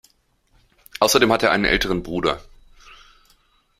Außerdem hat er einen älteren Bruder.